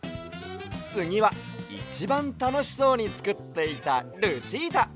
つぎはいちばんたのしそうにつくっていたルチータ！